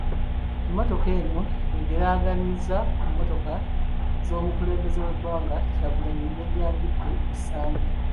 Emmotoka eno egeraageranyizibwa ku mmotoka z'omukulembeze w'eggwanga, Kyagulanyi yajanjudde ku Ssande ng'ayita ku mutimbagano.